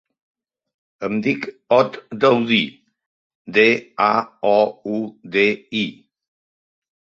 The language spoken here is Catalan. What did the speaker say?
Em dic Ot Daoudi: de, a, o, u, de, i.